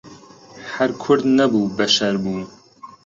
هەر کورد نەبوو بەشەر بوو